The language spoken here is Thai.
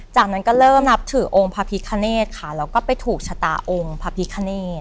จากนั้นก็เริ่มนับถือองค์พระพิคเนธค่ะแล้วก็ไปถูกชะตาองค์พระพิคเนต